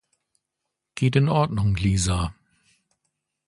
Geht in Ordnung, Lisa.